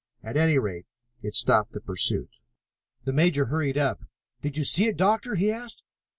At any rate, it stopped the pursuit." The major hurried up. "Did you see it, Doctor?" he asked.